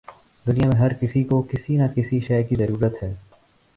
دنیا میں ہر کسی کو کسی نہ کسی شے کی ضرورت ہے۔